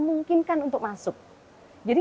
sg quindi n sabbath janaf number dua